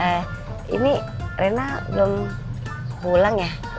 nah ini rena belum pulang ya